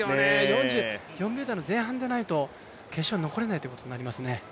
４４秒台も前半じゃないと決勝に残れないということになりますね。